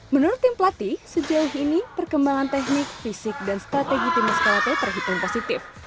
menurut tim pelatih sejauh ini perkembangan teknik fisik dan strategi tim nas kalate terhitung positif